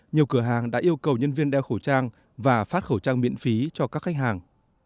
nhiều cửa hàng đã yêu cầu nhân viên đeo khẩu trang và phát khẩu trang miễn phí cho các khách hàng